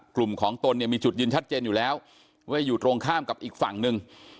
กลุ่มของตนมีจุดยืนชัดเจนอยู่ข้ามกับอีกฝั่งหนึ่ง